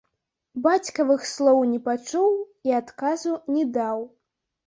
Бацькавых слоў не пачуў і адказу не даў.